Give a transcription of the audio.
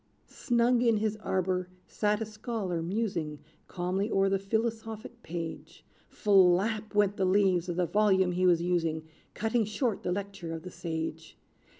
Snug in his arbor sat a scholar, musing Calmly o'er the philosophic page: "Flap!" went the leaves of the volume he was using, Cutting short the lecture of the sage.